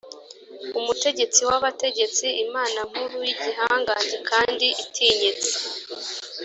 umutegetsi w’abategetsi, imana nkuru, y’igihangange kandi itinyitse,